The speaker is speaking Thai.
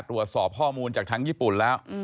ตรวจสอบข้อมูลจากทางญี่ปุ่นแล้ว